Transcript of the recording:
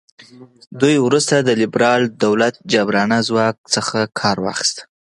دوی وروسته د لیبرال دولت جابرانه ځواک څخه کار واخیست.